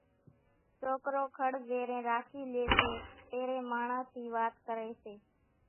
سوڪرو کڙ زيرين راکي لئي سي تيرين ماڻۿان ٿِي وات ڪري سي